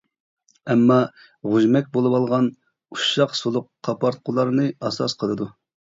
ئەمما غۇژمەك بولۇۋالغان ئۇششاق سۇلۇق قاپارتقۇلارنى ئاساس قىلىدۇ.